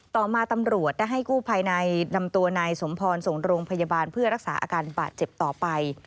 ต่อมาตำรวจได้ให้กู้ภัยในนำตัวนายสมพรส่งโรงพยาบาลเพื่อรักษาอาการบาดเจ็บต่อไป